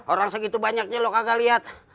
orang segitu banyaknya lo kagak lihat